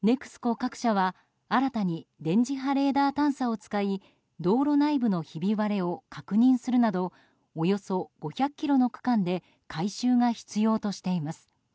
各社は新たに電磁波レーダー探査を使い道路内部のひび割れを確認するなどおよそ５００ｋｍの区間で改修が必要としています。